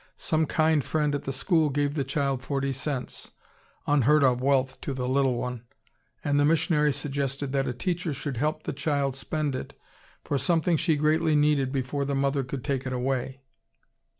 Some kind friend at the school gave the child forty cents, unheard of wealth to the little one, and the missionary suggested that a teacher should help the child spend it for something she greatly needed before the mother could take it away.